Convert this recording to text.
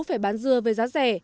phải bán dưa về giá rẻ